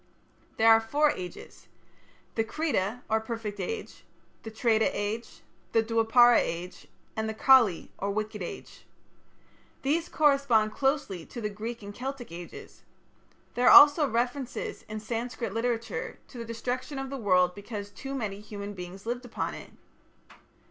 There are four ages: the Krita or Perfect Age, the Treta Age, the Dwapara Age, and the Kali or Wicked Age. These correspond closely to the Greek and Celtic ages. There are also references in Sanskrit literature to the destruction of the world because too many human beings lived upon it.